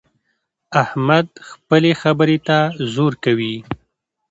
احمد خپلې خبرې ته زور کوي.